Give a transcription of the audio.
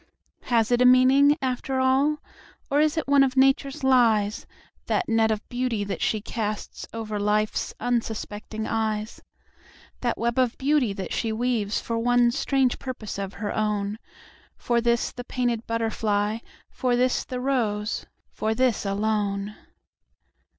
Has it a meaning, after all? Or is it one of Nature's lies, That net of beauty that she castsOver Life's unsuspecting eyes? That web of beauty that she weavesFor one strange purpose of her own,—For this the painted butterfly, For this the rose—for this alone!